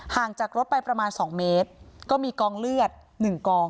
งจากรถไปประมาณ๒เมตรก็มีกองเลือด๑กอง